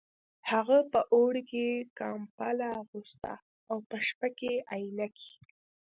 هغه په اوړي کې کمبله اغوسته او په شپه کې عینکې